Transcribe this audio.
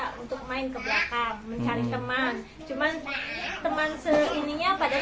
jadi diajak hobronnya sama ibu ibu di belakang